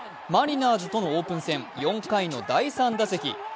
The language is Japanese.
マリナーズとのオープン戦４回の第３打席。